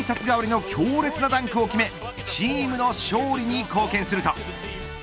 代わりの強烈なダンクを決めチームの勝利に貢献すると。